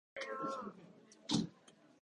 人生死あり、終端は命なり